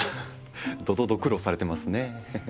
ドドド苦労されてますね。